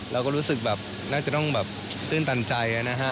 เราก็รู้สึกแบบน่าจะต้องแบบตื่นตันใจนะฮะ